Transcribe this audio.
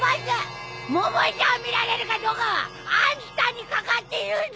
百恵ちゃんを見られるかどうかはあんたにかかってるんだ。